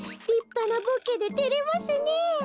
りっぱなボケでてれますねえ。